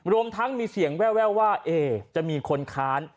รวมทั้งมีเสียงแววว่าจะมีคนค้าน